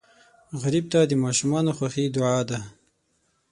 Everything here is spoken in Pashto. غریب ته د ماشومانو خوښي دعا ده